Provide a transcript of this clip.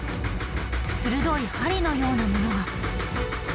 鋭い針のようなものが。